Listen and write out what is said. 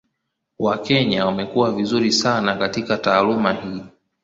Wakenya wamekuwa vizuri sana katika taaluma hii.